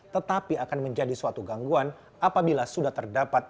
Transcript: tetapi akan menjadi suatu gangguan apabila sudah terdapat